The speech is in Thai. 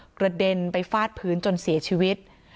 กระเด็นไปฟาดพื้นจนเสียชีวิต